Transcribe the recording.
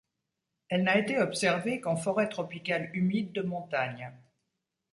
Elle n'a été observée qu'en forêt tropicale humide de montagne.